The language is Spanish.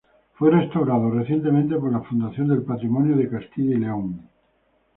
Fue restaurado recientemente por la Fundación del Patrimonio de Castilla y León.